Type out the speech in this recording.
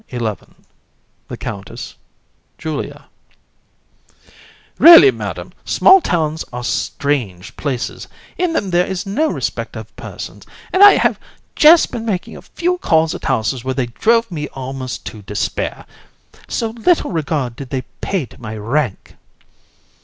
SCENE XI. THE COUNTESS, JULIA. COUN. Really, Madam, small towns are strange places. In them there is no respect of persons, and I have just been making a few calls at houses where they drove me almost to despair; so little regard did they pay to my rank.